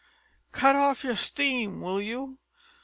Cut off your steam, will you?"